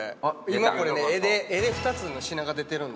今これね絵で２つの品が出てるんですけど。